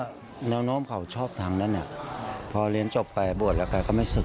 ก็น้องน้องเขาชอบทางนั้นพอเรียนจบไปบวชแล้วกันก็ไม่สึก